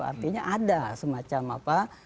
artinya ada semacam apa